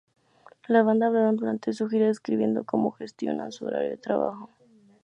La banda hablaron durante su gira describiendo cómo gestionan su horario de trabajo.